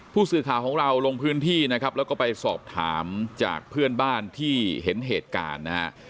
ผู้สื่อข่าวของเราลงพื้นที่นะครับแล้วก็ไปสอบถามจากเพื่อนบ้านที่เห็นเหตุการณ์นะฮะ